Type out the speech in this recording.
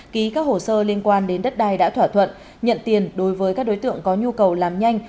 ký các hồ sơ liên quan đến đất đai đã thỏa thuận nhận tiền đối với các đối tượng có nhu cầu làm nhanh